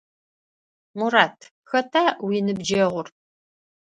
Мурат, хэта уиныбджэгъур?